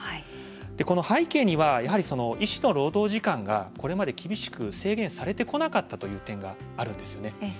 この背景には、医師の労働時間がこれまで厳しく制限されてこなかったという点があるんですよね。